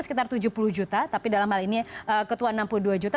sekitar tujuh puluh juta tapi dalam hal ini ketua enam puluh dua juta